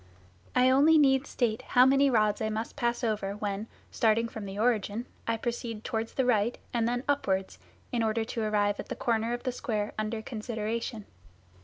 I only need state how many rods I must pass over when, starting from the origin, I proceed towards the " right " and then " upwards," in order to arrive at the corner of the square under consideration.